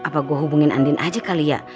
apa gue hubungin andin aja kali ya